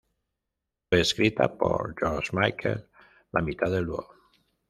Fue escrita por George Michael, la mitad del dúo.